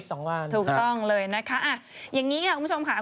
อ๋อสองวันนะครับอย่างนี้ค่ะคุณผู้ชมค่ะ